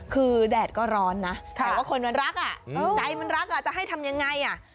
คือแดดก็ร้อนนะแต่ว่าคนมันรักอ่ะใจมันรักจะให้ทำยังไงอ่ะ